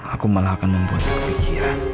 aku malah akan membuat kepikiran